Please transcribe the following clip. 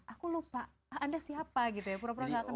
aku lupa anda siapa gitu ya pura pura gak akan